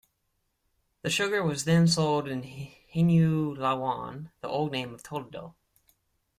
The sugar was then sold in Hinulawan, the old name of Toledo.